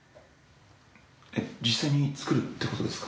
えっ実際に造るってことですか？